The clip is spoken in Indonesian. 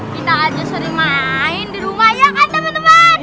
kita aja sering main di rumah ya kan teman teman